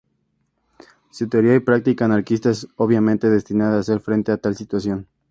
Su teoría y práctica anarquista es, obviamente, destinada a hacer frente a tal situación.